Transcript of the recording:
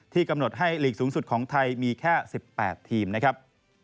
กำหนดให้หลีกสูงสุดของไทยมีแค่๑๘ทีมนะครับ